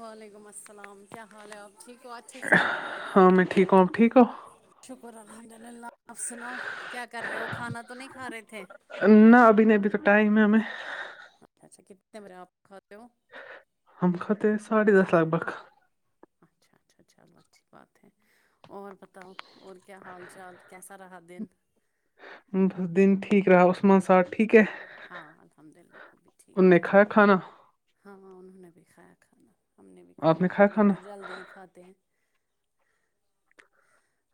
وعلیکم السلام کیا حال آ ہاں میں ٹھیک ہوں آب ٹھیک ہو شکر الحمد للہ آپ سناؤ کیا کر رہے ہو کھانا تو نہیں کھا رہے تھے نہ ابھی نہیں ابھی تو ٹائم ہے ہمیں اچھا اچھا کتنے بر آپ کھاتے ہو ہم خطے ساڑے دس لگ بگ اچھا اچھا اچھا اللہ اچھی بات ہے اور پتا اور کیا حال چال کیسا رہا دن رہا ن ساٹھ ہاں الحمد للہ وہ بھی ان ٹھیک نے ہے کھایا کھانا ہاںاں انہوں نے بھی کھایا کھانا ہم نے بھی کھایا ہم لوگ تو جلد ہی کھاتے ہیں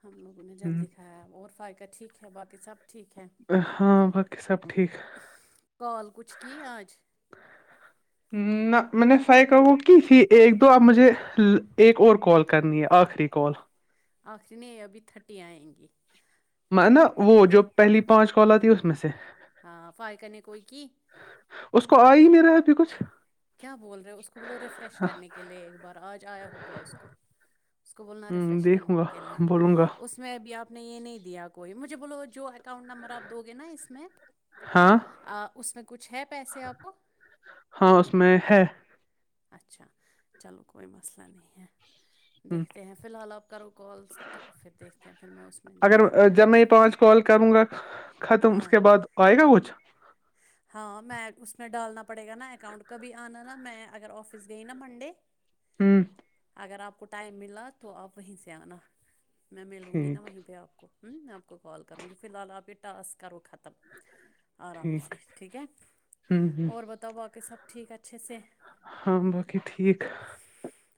ہم لوگوں نے جلد د کھانا کھایا اور فائقہ ٹھیک ہے باقی سب ٹھیک ہے ہاں باقی سب ٹھیک کال کچھ کی ہے آج ہ نہ میں نے فائیک کی تھی ایک دو اب مجھے ایک اور کال کرنی ہے آخری کال آخری نہیں ابھی تھرٹی آئیں گی میں نا وہ جو پہلی پانچ کال آتی اس میں سے ہاں فاے کر کوئی کی اس کو آ ہی نہیںیر رہا ابھی کچھ کیا بول رہے اس کو بولو ریفریش کرنے کے لئے ایک بار آج آیا ہوگا اس کو اس کو بولنا ریفریش کرنے دیکھوں گا کے لیئے بولوں گا اس اس میں ابھی آپ نے یہ نہیں دیا کوئی مجھے بولو جو اکاؤنٹ نمبر آپ دو گے نا اس میں ہاں اس میں کچھ ہے پیسے آپ ہاں اس میں ہے اچھا چلو کوئی مسئلہ نہیں ہے ہ دیکھتے ہیں فی الحال آپ کرو کالس تو پھر دیکھتے ہیں پھر میں اس میں اگر دکھاؤں گی جب کبھی میں یہ پانچ کال کروں ختم اس ہاں کے بعد آئے گا کچھ ہاں میں اس میں ڈالنا پڑے گا نا اکاؤنٹ کبھی آنا نا میں اگر آفس گئی نا منڈے ہوں اگر آپ کو ٹائم ملا تو آپ وہیں سے آنا میں ملوں گی نا ٹھیک وہیں پہ آپ کو ہوں میں آپ کو کال کروں گی فی الحال آپ یہ ٹاسک کرو ختم آرام سے ٹھیک ہے ہوں ہوں اور بتاؤ باقی سب ٹھیک اچھے سے ہاں باقی ٹھیک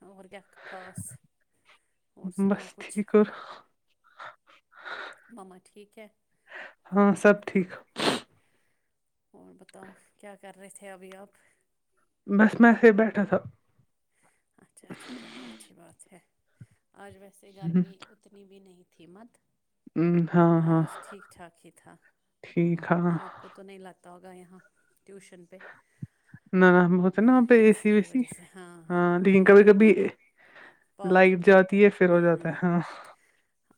اور کیا خاص اور بس سناؤ کچھ ٹھیک اور مما ٹھیک ہے ہاں سب ٹھیک اور بتاؤ کیا کر رہے تھے ابھی آپ بس میںیسے ہی بیٹھا تھا اچھا اچھا چلو اچھی بات ہے آج ویسے گرمی ا اتنی بھی نہیں تھی مت ہاں ہاں اور ٹھیک ٹھاک ہی تھا ٹھیک ہے ن آپ کو تو نہیں لگا ہوگا یہاں ٹیوشن پہ نہ نہ بت ہے نا وہاں پہ اے سی وی سی ہاں لیکن کبھی کبھی پاور جب لائٹ جاتا جاتی ہے پھر ہو جاتا ہے ہاں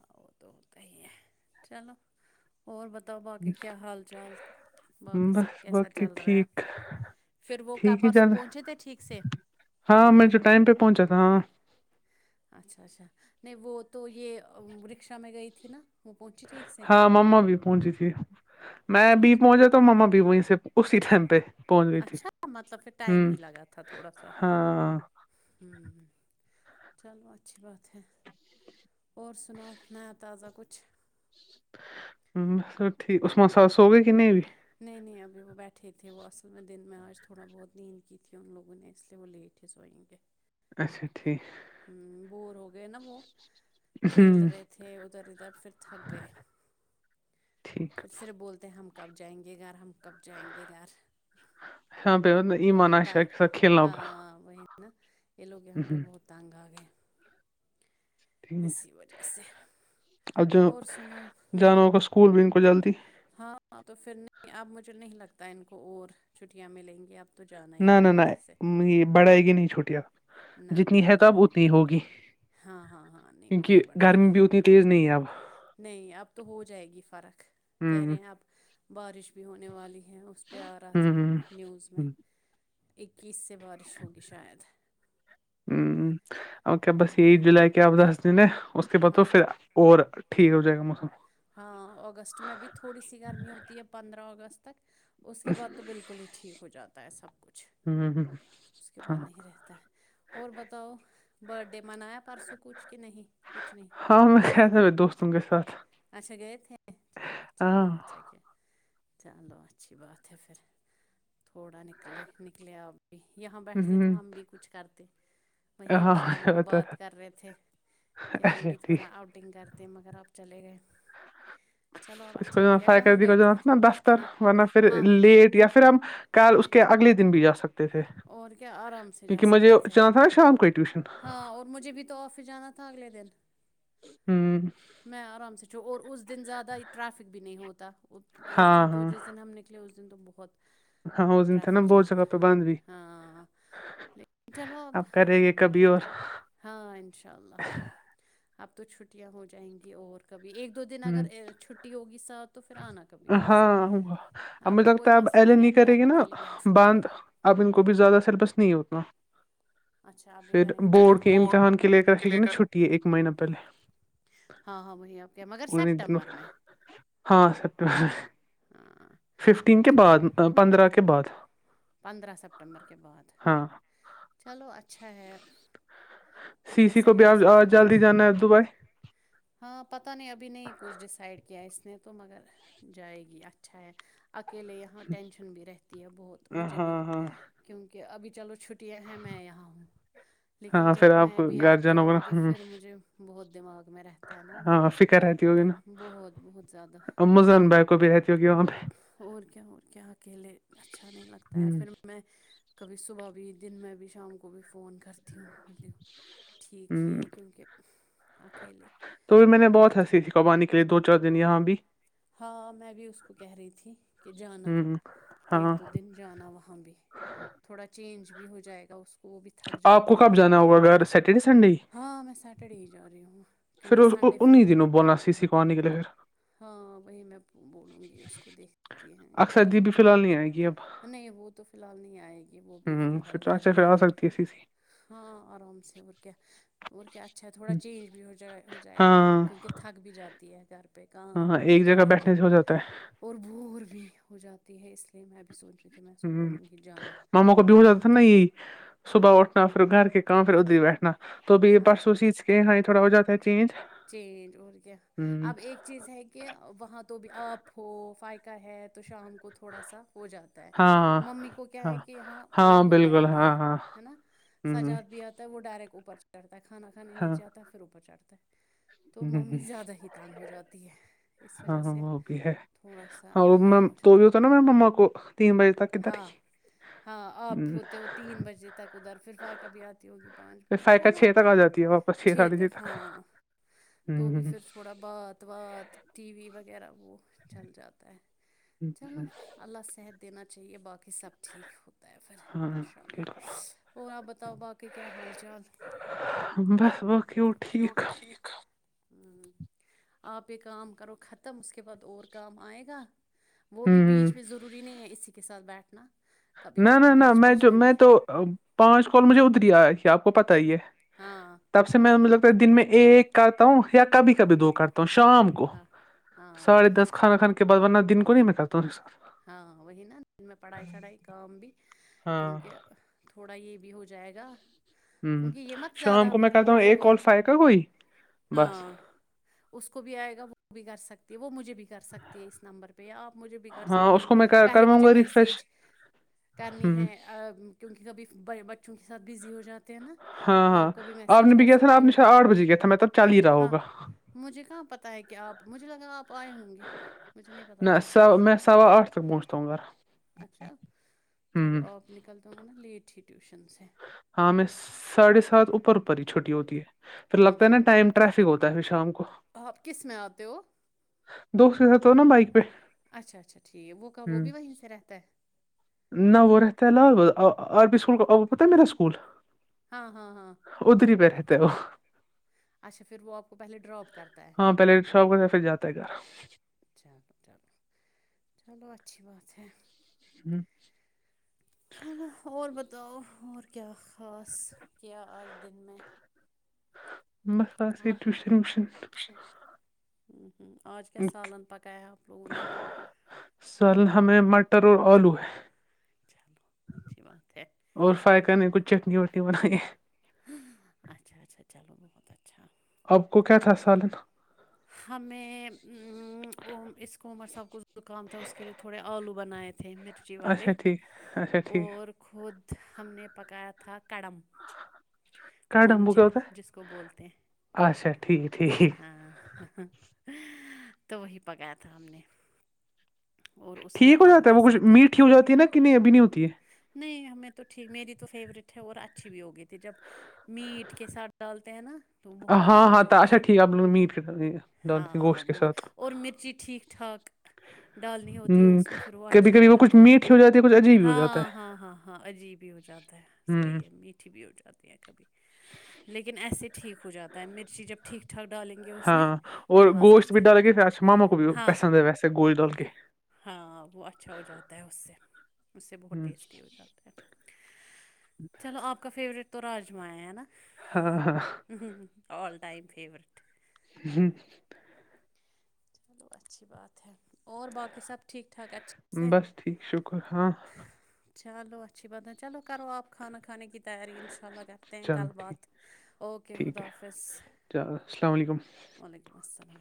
ہاں وہ تو ہوتا ہی ہے چلو اور بتاؤ باقی کیا حال چال باقی سب بس کیسا باقی چل رہا ہے ٹھیک پھر وہ کا ٹھیک ہی چل پرسوں رہا ہے۔ پہنچے تھے ٹھیک سے ہاں میں ممی جو ٹائم پہ پہنچا تھا ہاں اچھا اچھا نہیں وہ تو یہ رکشا میں گئی تھی نا وہ پنی ت ہاں مما بھی پہنچی تھی میں اچھا بھی اچھا پہنچا تو ماما بھی وہیں سے اسی ٹائم پہ پہنچ گئی تھی اچھا مطلب کہھر ٹائم ہوں ہی لگا تھا تھوڑا سا ہاں ہوں چلو اچھی بات ہے اور سناؤ نیا تازہ کچھ ب ٹھیک اسو ساتس س ہو گئے کہ نہیں بھی نہیں نہیں ابھی وہ بیٹھے تھے وہ اصل میں دن میں آج تھوڑا بہت نیند کی تھی ان لوگوں نے اس لیے وہ لیٹ اھسو ون کے اچھا ٹھیک ہ بور ہو گئے نا وہ ہ کھیل رہے تھے ادھر ادھر پھر تھک گئے ٹھیک پھر صرف بولتے ہیں ہم کب جائیں گے ار ہم کب جائیں گے گھر یہاں پہ مطلب وہ ایمان لوگ عائشہ تگ کے ساتھ کھیلنا ہوگا ہاں وہ نا یہ لوگ یہاں ہ پہ بہت تانگ آ گئے اسی وجہ سے اور جو سناؤ ہوں جانا ہوگا اسکول بھی ان کو جلدی ہاں تو پھر نہیں اب مجھے نہیں لگتا ہے ان کو اور چھٹیاں ملیں گی اب تو جانا ہی نہ ہے نہ نہ منڈے سے یہ بڑھائے گی نہیں چھوٹیا نہ وہ جتنی ہے نہیں تو اب بڑھائے اتنی ہوگی ہاں ہاں ہاں نہیں وہ کیونکہ نہیں بڑھائے گرمی گی بیت ن نے تیز نیب نہیں اب تو ہو جائے گی فرق کہہ ہ رہے ہیں اپ بارش بھی ہونے والی ہے اس پہ آ رہا تھا ہ نیوز ہ میں اکیس سے بارش ہوگی شاید ہ اور کیا بس یہ جولائی کے اپ دس دن اس کے بعد تو ہاں پھر اور ٹھیک ہو جائے گا موسم ہاں اگست میں بھی تھوڑی سی گرمی ہوتی ہے پندرہ اگست تک اس کے بعد تو بالکل ہی ٹھیک ہو جاتا ہے سب کچھ ہوں ہ اس کے ہاں بعد نہیں رہتا ہے اور بتاؤ بر ڈے منایا پرسوں کچھ کہ نہیں کچھ نہیں ہاں س دوستن کےات اچھا گئے تھے چلو اچھا کیا اچھا کیا چلو اچھی بات ہے پھر تھوڑا نکلے نکلے آپ یہاں بیٹھتے ہوں تو ہم بھی کچھ کرتے وہیں ہم ہاں شام کو ہوتا تھا بات کر رہے تھے کہ ہم اچھا بھی ٹھیک تھوڑا آؤٹنگ کرتے ہیں مگر آپ چلے گئے چلو آپ اس کو اچھا جو ہے ن کیا فائ کہاں کردی کا گئے جو تھے ہے ن پھر نا دفتر ہاں ورنہ پھر ہاں لیٹ یا پھر ہم کل اس کے اگلے دن بھی جا سکتے تھے اور کیا آرام سے جا کیونکہ مجھے سکتے تھے جانا تھا نا شام کو ہی ٹیوشن ہاں اور مجھے بھی تو آفس جانا تھا اگلے دن ہوں میں آرام سے چھو اور ا اس دن زیادہ ٹریافک بھی نہیں ہوتا اس ہاں دن تو ہاں جس دن ہم نے لے اس دن تو بہت ہاں اس دن سے نا ٹریفک بہت جام جگہ پہ بند بھی ہاں لیکن چلو اب آپ کرہ رہے کبھی اور ہاں انشاء اللہ اب تو چھٹیاں ہو جائیں گی اور کبھی ایک دو دن ہوں اگر چھٹی ہوگی سا تو پھر آنا کبھی پھر سے ہاں اب مجھے تو لگتا کوئی ہے اب مسئلہ ایل ا نہیں تو کرے آپ گی نا اکیلے بھی آ سکتے باندھ ہو اب ان کو بھی زیادہ سر بس نہیں اتنا اچھا آپ یہ پھر کریں گے مجھے بورڈ کے امتحان کے لے کرے کہ نا چھٹی ہے ایک مہینہ پہلے ہاں ہاں وہی آپ کے مگر پ دن سپٹمبر میں ہاں سپمبر ہاں ففٹین کے چلو بعد پندرہ کے بعد پندرہ سپٹمبر کے بعد ہاں چلو اچھا ہے سی تب س تک کو بھی سلیبس آ جلدی جانا ہے دبھائی ہاں پتہ نہیں ابھی نہیں کچھ ڈیسائڈ کیا اس نے تو مگر جائے گی اچھا ہے اکیلے یہاں ٹینشن بھی رہتی ہے بہت مجھے بھی ہاں ہاں کیونکہ ابھی چلو چھٹی چھٹیاں ہیں میں یہاں ہوں لیکن ہاں جب پھر میں کو بھی گھر آپ جانا ہوگا جاؤں گی نا پھر مجھے بہت دماغ میں رہتا ہے نا وہ ہاں فکر رہتی ہوگی نا بہت بہت زیادہ مزن بھائی کو بھی رہتی ہوگی وہاں پہ اور کیا اور کیا اکیلے اچھا نہیں لگتا ہ پھر میں کبھی صبح بھی دن میں بھی شام کو بھی فون کرتا وں ٹھیک ہی ہے کیونکہ اکیلے تو بھی میں نے بہت ہوتے ہنسی تھی کبانے کے لیے دو چار دن یہاں بھی ہاں میں بھی اس کو کہہ رہی تھی کہ جانا ہ ہاں ایک دو دن جانا وہاں بھی تھوڑا چینج بھی ہو جائے گا اس کو وہ بھی تھک آپ کو جاتی ہے کب نا جانا ہوگا گھر سیٹرڈے سنڈے ہاں میں سٹرڈے ہی جا رہی ہوں پھر کیونکہ سنڈے پھر انیں دنوں بولنا سی سی کو آنے کے لیے پھر ہاں وہی میں بولوں گی اس کو دیکھتی ہیں اکثر دکھتی دی ہوں بھی فی پ الحال نہیں آئے گی اب نہیں وہ تو فی الحال نہیں آئے گی وہ ہ بھی فی الحال پھر گھر اچھا ہی پھر آ ہے سکتی سی سی ہاں آرام سے اور کیا اور کیا اچھا ہے تھوڑا چینج بھی ہو جائے ہو جائے گا ہاں کیونکہ تھک بھی جاتی ہے گھر پہ کہاں ہاں ایک ادھر جگہ ادھر بیٹھنے سے ہو جاتا ہے اور بور بھی ہو جاتی ہے اس لیے میں بھی سوچ رہی تھی میں اس کو ہوں بولوں گی جانا ماموں کا بھی ہو جاتا دو تھا نا تین یہی صبح اٹھنا پھر گھر کے کام پھر ادھر ہی بیٹھنا تو بھی پرسوں چیز کے یہاں یہ تھوڑا ہو جاتا ہے چینج جی ہ اب ایک چیز ہے کہ وہاں تو بھی آپ ہو فائقہ ہے تو شام کو تھوڑا سا ہو جاتا ہے ہاں ممی کو کیا ہاں ہے کہ یہاں کوئی ہاں ہوتا ہی بالکل نہیں ہاں ہاں ہے نا ہ سجاد بھی آتا تو وہ ڈائریکٹ اوپر چڑھ ہےھانا کھے ہاں نیچے آتا پھر اوپر چڑھ ہے تو ممی ہ زیادہ ہی تانگ ہو جاتی ہے اس وجہ سے تھوڑا سا تو یہ مم ہو جاتا تو بھی ہوتا ہے نا م مما کو تین بجے تک کدھر ہی ہاں ہاں آپ بھی ہ ہوتے ہو تین بجے تک ادھر پھر فائقہ بھیھی آتی ہوگی پانچ پھر م فائقہ چلو چھ آپ تک کے آ جاتی ہے واپس چھ ساڑھے تک ہاں تو بھی پھر ہ تھوڑا بات وات ٹی وی وغیرہ وہ چل جاتا ہے چلو اللہ صحت دینا چاہیے باقی سب ٹھیک ہو ہاں ان شاء بالکل اللہ اور آ بتاؤ باقی کیا حال چال بس باقی ہو ٹھیک ہوں آپ یہ کام کرو ختم اس کے بعد اور کام آئے گا وہ ہ بھی بیچ پہ ضروری نہیں ہے اسی کے ساتھ بیٹھنا کبھی نہ کبھی نہ نہ بیچ میں بیچ جو بھی میں تو پانچ کال مجھے اتری آیا تھی آپ کو پت ہی ہے ہاں تب سے میں مجھے لگتا ہے دن میں ایک کرتا ہوں یا کبھی کبھی دو کرتا ہوں شام کو ہاں ہاں ساھے دس کھانا کھان کے بعد ورہ دن کو نہیں میں کرتا ہوں کے سات ہاں وہی نا میں پڑھائی شڑھائی کا بھی ہاں کیونکہ تھوڑا یہ بھی ہو جائے گا ہ کیونکہ یہ مت شام زیادہ کو میں وہ کرتا ہوں ایک اوور اور فائ کا کوئی بس ہاں اس کو بھی آئے گا وہ بھی کر سکتی ہے وہ مجھے بھی کر سکتی ہے اس نمبر پہ یا آپ مجھے بھی کر ہاں سک اس کو میں پہلے کرواؤں مجھے گا ریفریش میسج ہ کرنی ہے ا کیونکہ کبھی بچوں کے ساتھ بزی ہو جاتا ہیں نا ہاں تو ہاں آپ کبھی آپ میسج نے بھی کر کیا تھا نا سکتے آپ ہو نے شاید آٹھ بجے کیا تھا میں تب چل ہی رہا ہاں ہوگا مجھے کہاں پتہ ہے کہ آپ مجھے لگا آپ آئے ہوں گے مجھے نہیں پتہ ت نہ آپ میں ٹیوشن سوا آٹھ تک بونچتاوں گھر اچھا چلو ہ آپ نکلتے ہوں گے نا لیٹ ہی ٹیوشن سے ہاں ہمیں ساڑھے سات اوپر اوپر ہی چھٹی ہوتی ہے پھر لگتا ہے نا ہوں ٹائم ٹریفک ہوتا ہے پھر شام کو آپ کس میں آتے ہو دوست کے سات تو ہو نا بائک پہ اچھا اچھا ٹھیک ہے وہ کب وہ بھی وہیں سے رہتا ہے نو ریت علا آ بپ سکول کا پتہ میرا سکول ہاں ہاں ہاں ادری پہ رہتے وہ اچھا پھر وہ آپ کو پہلے ڈاپ کرتا ہے ہاں پہلے شاپ گہ پھر جاتا ہے گھر چلو چلو چلو اچھی بات ہے ہوں چلو اور بتاؤ اور کیا خاص کیا آج دن میں مس سے ٹیوشن ویوشن آج کیا سالان پکایا آپ لوگوں نے سر ہمیں مٹر اور آلو ہے چلو اچھی بات ہے اور فرائی کرنے کی کچھ چٹنی وٹنی بنائیے اچھا اچھا چلو بہت اچھا آپ کو کیا تھا سالن ہمیں اس کو عمر صاحب کو زکام تھا اس کے لیے تھوڑے آلو بنائے تھے تھے مرچی والے اچھا ٹھیک اچھا ٹھیک اور خود ہم نے پکایا تھا کڑم ہاں مونج جس کو بولتے ہیں ہے اچھا ٹھیک ٹھیک ہاں تو وہی پکایا تھا ہم نے اور اس نے ٹھیک آلو ہواتا ہے کے وہ کچھ ساتھ ایک میٹھی ہو جاتی ہے نا کہ نہیں ابھی نہیں ہوتی ہے نہیں ہمیں تو ٹھیک میری تو فیوریٹ ہے اور اچھی بھی ہوگی تھی جب میٹ کے ساتھ ڈالتے ہیں نا تو وہ بہت ہاں اچھے ہو ہاں تا- جاتے اچھا ٹھیک آپ لوگ میٹ کے ڈالتے ہیں ہاں گوشت کے وہ ساتھ اور مرچی ٹھیک ٹھاک ڈالنی ہوتی ہے ہوں، اس میں پھر وہ کبھی اچھے ہو کبھی کچھ جاتے ہیں میٹ ہی ہو جاتی ہے کچھ عجیب ہی ہو جاتا ہاں ہے ہاں ہاں ہاں عجیب ہی ہو جاتا ہوں صحیح ہے میٹھی بھی ہو جاتی ہے کبھی لیکن ایسے ٹھیک ہو جاتا تا مرچی جب ٹھیک ٹھاک ڈالیں گے اس میں ہاں اور پھر مزہ گوشت آتا ہاں گلی ڈول کے ہاں وہ اچھا ہو جاتا ہے اس سے اس سے بہت ہ ٹیسٹی ہو جاتا ہے چلو آپ کا فیورٹ تو راجما ہے ہے نا ہاں ہاں آل ٹائم فیورٹ ہوں چلو اچھی بات ہے اور باقی سب ٹھیک ٹھاک اچھا بس ٹھیک شکر ہاں چلو اچھی بات ہے چلو کرو آپ کانا کھانے کی تیاری ان شا ان شاء اللہ کرتے ہیں چلو کل ٹھیک بات اوکے ٹھیک خدا ہے حافظ چلو السلام علیکم وعلیکم السلام